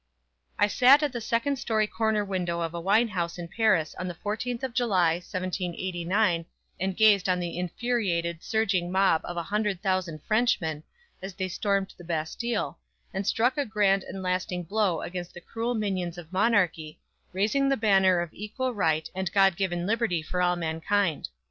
_ I sat at the second story corner window of a wine house in Paris on the 14th of July, 1789, and gazed on the infuriated, surging mob of a hundred thousand Frenchmen, as they stormed the BASTILE, and struck a grand and lasting blow against the cruel minions of monarchy, raising the banner of equal right, and God given liberty for all mankind.